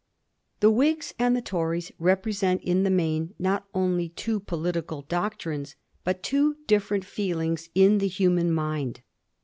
The Whigs and the Tories represent in the main not only two political doctrines, but two difierent feel Logs in the human miud.